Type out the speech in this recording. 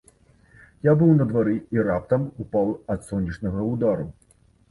Я быў на двары, і раптам упаў ад сонечнага ўдару.